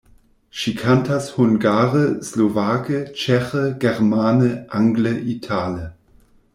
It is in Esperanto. Ŝi kantas hungare, slovake, ĉeĥe, germane, angle, itale.